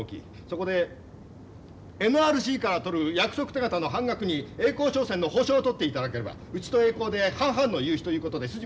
そこでＮＲＣから取る約束手形の半額に栄光商船の保証を取っていただければうちと栄光で半々の融資ということで筋も通る。